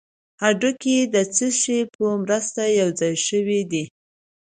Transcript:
هډوکي د څه شي په مرسته یو ځای شوي دي